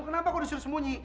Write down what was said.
kenapa aku disuruh sembunyi